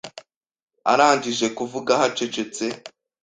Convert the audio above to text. Arangije kuvuga, hacecetse